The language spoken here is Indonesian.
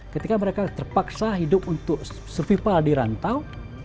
ketika mereka terpaksa hidup untuk servipal di rantau